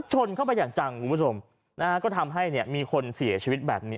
ชนเข้าไปอย่างจังก็ทำให้มีคนเสียชีวิตแบบนี้